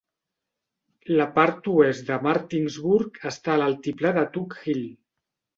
La part oest de Martinsburg està a l'altiplà de Tug Hill.